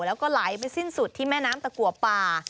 แล้วก็ไหลไปสิ้นสุดที่แม่น้ำตะกัวป่า